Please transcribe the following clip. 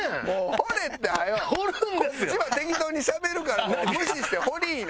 こっちは適当にしゃべるからもう無視して放りいな。